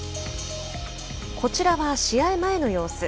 こちらは試合前の様子。